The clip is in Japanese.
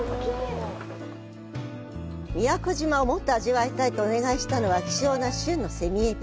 宮古島をもっと味わいたいとお願いしたのは、希少な旬のセミエビ。